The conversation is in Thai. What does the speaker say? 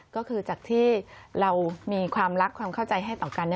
ก็คือจากที่เรามีความรักความเข้าใจให้ต่อกัน